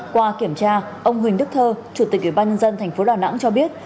qua kiểm tra ông huỳnh đức thơ chủ tịch ủy ban nhân dân tp đà nẵng cho biết